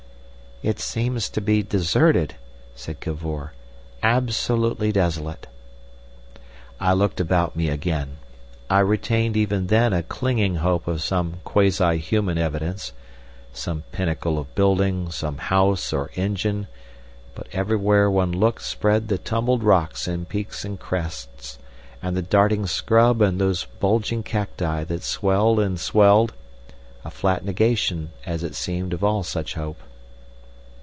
"It seems to be deserted," said Cavor, "absolutely desolate." I looked about me again. I retained even then a clinging hope of some quasi human evidence, some pinnacle of building, some house or engine, but everywhere one looked spread the tumbled rocks in peaks and crests, and the darting scrub and those bulging cacti that swelled and swelled, a flat negation as it seemed of all such hope.